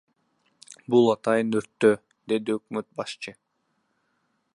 Бул атайын өрттөө, — деди өкмөт башчы.